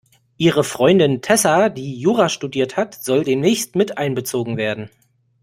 Ihre Freundin Tessa, die Jura studiert hat, soll demnächst miteinbezogen werden.